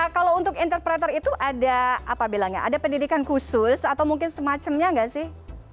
kalau untuk interpreter itu ada apa bilangnya ada pendidikan khusus atau mungkin semacamnya nggak sih